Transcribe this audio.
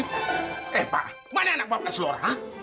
pak mana anak bapak itu laura